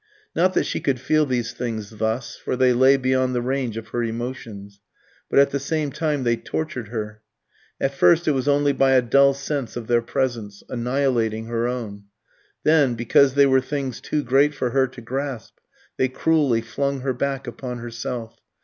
Not that she could feel these things thus, for they lay beyond the range of her emotions; but at the same time they tortured her. At first it was only by a dull sense of their presence, annihilating her own. Then, because they were things too great for her to grasp, they cruelly flung her back upon herself.